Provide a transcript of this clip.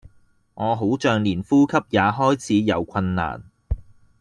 我好像連呼吸也開始有困難